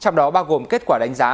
trong đó bao gồm kết quả đánh giá